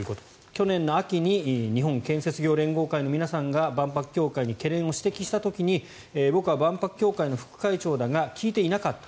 去年の秋に日本建設業連合会の皆さんが万博協会に懸念を指摘した時に僕は万博協会の副会長だが聞いていなかった。